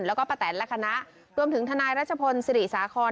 แล้วก็ป้าแตนและคณะรวมถึงทนายรัชพลศิริสาคร